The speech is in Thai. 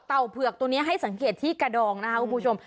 เผือกตัวนี้ให้สังเกตที่กระดองนะครับคุณผู้ชม